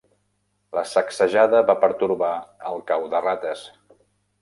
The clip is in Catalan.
La sacsejada va pertorbar el cau de rates.